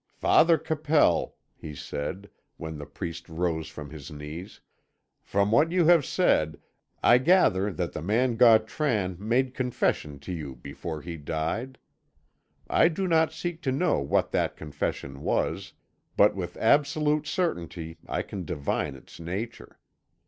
"Father Capel," he said, when the priest rose from his knees, "from what you have said, I gather that the man Gautran made confession to you before he died. I do not seek to know what that confession was, but with absolute certainty I can divine its nature.